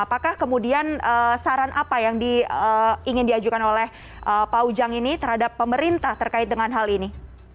apakah kemudian saran apa yang ingin diajukan oleh pak ujang ini terhadap pemerintah terkait dengan hal ini